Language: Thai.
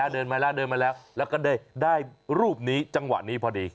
เดินมาแล้วแล้วก็ได้รูปนี้จังหวะนี้พอดี